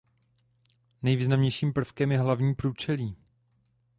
Nejvýznamnějším prvkem je hlavní průčelí.